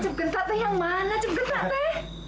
cepgenta teh yang mana cepgenta teh